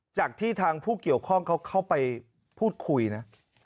จากที่ทางผู้เกี่ยวข้องเขาเข้าไปพูดคุยนะ